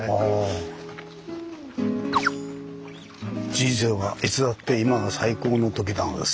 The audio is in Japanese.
「人生はいつだって今が最高のときなのです」。